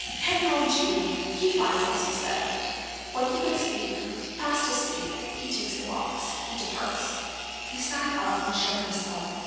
Ken yawned too. "He finds us," he said, when he could speak, "fast asleep. He takes the box. He departs." He sat up and shook himself.